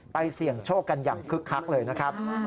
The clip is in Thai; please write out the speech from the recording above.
เสี่ยงโชคกันอย่างคึกคักเลยนะครับ